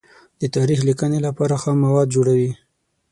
د تاریخ لیکنې لپاره خام مواد جوړوي.